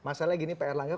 masalahnya gini pak erlangga